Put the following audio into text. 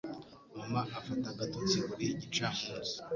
Mama afata agatotsi buri gicamunsi.